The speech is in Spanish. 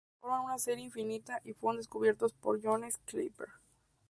Forman una serie infinita y fueron descubiertos por Johannes Kepler.